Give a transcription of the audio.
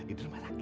ibu gak apa apa bu